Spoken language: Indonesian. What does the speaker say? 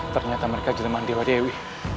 ternyata mereka jenaman dewa dewi